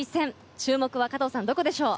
注目は加藤さん、どこでしょう。